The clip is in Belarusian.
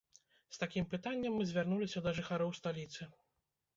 З такім пытаннем мы звярнуліся да жыхароў сталіцы.